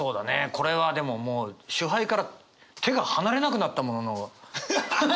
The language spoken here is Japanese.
これはでももう酒盃から手が離れなくなった者の。